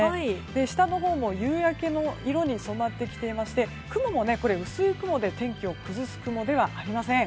下のほうも夕焼けの色に染まってきていまして雲も薄い雲で天気を崩す雲ではありません。